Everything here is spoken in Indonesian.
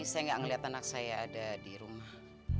saya udah ngeliat anak saya ada di rumah